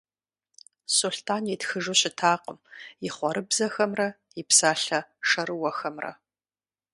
Сулътӏан итхыжу щытакъым и хъуэрыбзэхэмрэ и псалъэ шэрыуэхэмрэ.